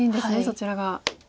そちらが。